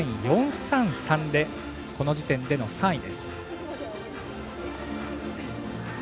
でこの時点での３位です。